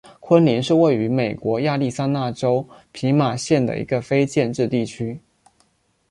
昆林是位于美国亚利桑那州皮马县的一个非建制地区。